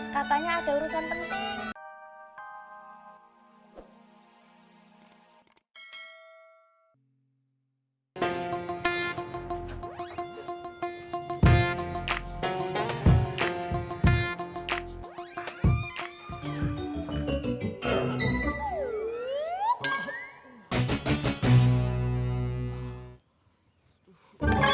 katanya ada urusan penting